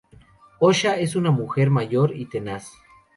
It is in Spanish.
Osha es una mujer mayor y tenaz".